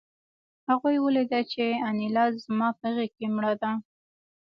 هغوی ولیدل چې انیلا زما په غېږ کې مړه ده